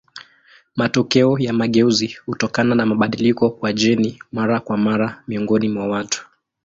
Matokeo ya mageuzi hutokana na mabadiliko kwa jeni mara kwa mara miongoni mwa watu.